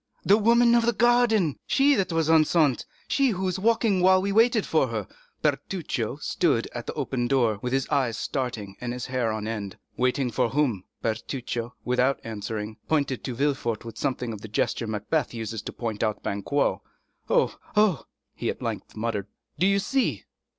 "The woman of the garden!—she that was enceinte—she who was walking while she waited for——" Bertuccio stood at the open door, with his eyes starting and his hair on end. "Waiting for whom?" Bertuccio, without answering, pointed to Villefort with something of the gesture Macbeth uses to point out Banquo. "Oh, oh!" he at length muttered, "do you see?"